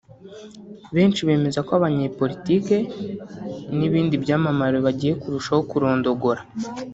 benshi bemeza ko abanyapolitiki n’ibindi byamamare bagiye kurushaho kurondogora